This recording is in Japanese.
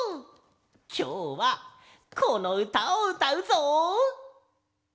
きょうはこのうたをうたうぞ！